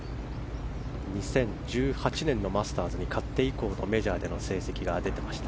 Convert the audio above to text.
２０１８年のマスターズに勝って以降のメジャーでの成績が出ていました。